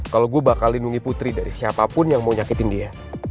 kalau gue bakal lindungi putri dari siapapun yang mau nyakitin dia